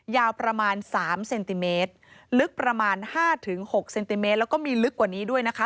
ยาวประมาณ๓เซนติเมตรลึกประมาณ๕๖เซนติเมตรแล้วก็มีลึกกว่านี้ด้วยนะคะ